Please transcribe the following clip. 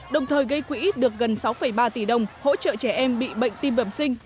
đồng thời gây quỹ được gần sáu ba tỷ đồng hỗ trợ trẻ em bị bệnh tim bẩm sinh